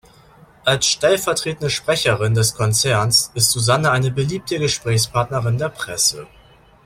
Als stellvertretende Sprecherin des Konzerns ist Susanne eine beliebte Gesprächspartnerin der Presse.